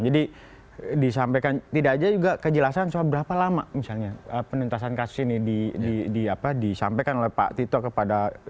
jadi disampaikan tidak aja juga kejelasan soal berapa lama misalnya penuntasan kasus ini disampaikan oleh pak tito kepada